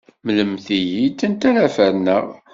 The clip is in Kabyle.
Mlemt-iyi-d anta ara ferneɣ.